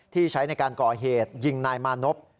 ที่ใช้ในการก่อเหตุยิงนายมานพ